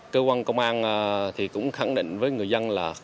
cơ quan công an cũng khẳng định với người dân là không có trả lời